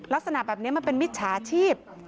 ลักษณะแบบนี้มันเป็นมิจฉาชีพ